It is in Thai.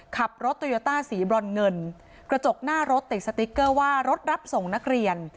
ขับรถโตโยต้าสีบรอนเงินกระจกหน้ารถติดสติ๊กเกอร์ว่ารถรับส่งนักเรียน